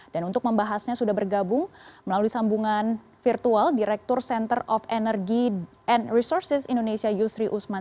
dan untuk membahasnya sudah bergabung melalui sambungan virtual direktur center of energy and resources indonesia yusri usman